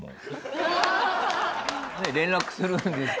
連絡するんですか？